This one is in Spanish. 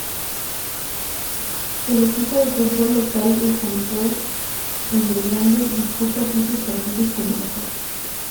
El equipo de fútbol local del Guangzhou Evergrande disputa aquí sus partidos como local.